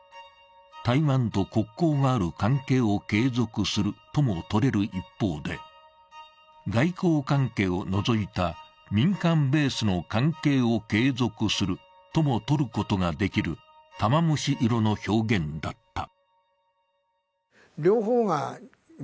台湾と国交がある関係を継続するともとれる一方で外交関係を除いた民間ベースの関係を継続するともとることができる玉虫色の表現だった。